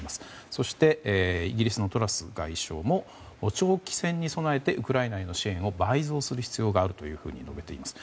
そして、イギリスのトラス外相も長期戦に備えてウクライナへの支援を倍増する必要があると述べています。